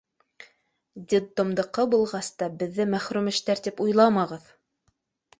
— Детдомдыҡы булғас та беҙҙе мәхрүмештәр тип уйламағыҙ!